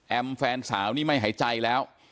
แฟนสาวนี่ไม่หายใจแล้ว